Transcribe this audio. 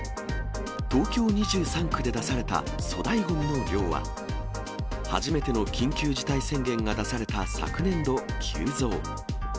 東京２３区で出された粗大ごみの量は、初めての緊急事態宣言が出された昨年度、急増。